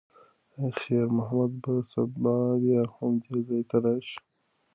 ایا خیر محمد به سبا بیا همدې ځای ته راشي؟